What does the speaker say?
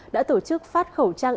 đã tổ chức phát khẩu trang